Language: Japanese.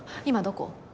今どこ？